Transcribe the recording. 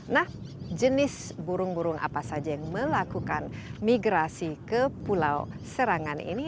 nah jenis burung burung apa saja yang melakukan migrasi ke pulau serangan ini